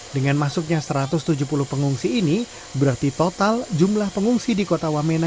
dengan masuknya satu ratus tujuh puluh pengungsi ini berarti total jumlah pengungsi di kota wamena